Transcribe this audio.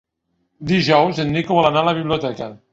Dijous en Nico vol anar a la biblioteca.